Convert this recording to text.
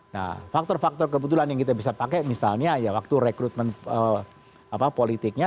nah faktor faktor kebetulan yang kita bisa pakai misalnya ya waktu rekrutmen politiknya